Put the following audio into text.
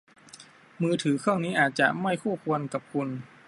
มือถือเครื่องนี้อาจจะไม่คู่ควรกับคุณ